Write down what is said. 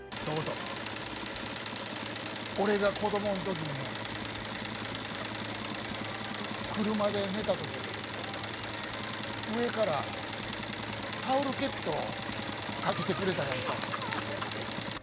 俺が子供んときに車で寝たとき、上からタオルケットをかけてくれたやんか。